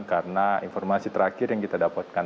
karena informasi terakhir yang kita dapatkan